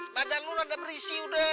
badan lu rada berisi udah